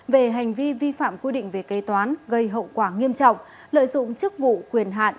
về hành vi vi phạm quy định về kế toán gây hậu quả nghiêm trọng lợi dụng chức vụ quyền hạn